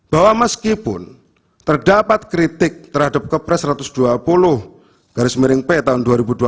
bahwa meskipun terdapat kritik terhadap kepres satu ratus dua puluh garis miring p tahun dua ribu dua puluh